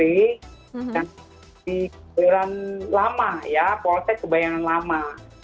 yang dikejualan lama ya proses kebayangan lama